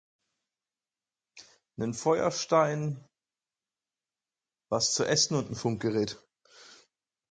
Nen Feuerstein, was zu Essen und nen Funkgerät